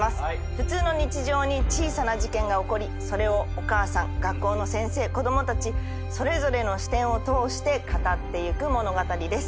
普通の日常に小さな事件が起こりそれをお母さん学校の先生子供たちそれぞれの視点を通して語ってゆく物語です。